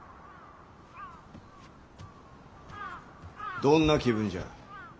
どんな気分じゃ？